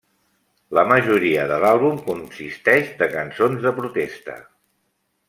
La majoria de l'àlbum consisteix de cançons de protesta.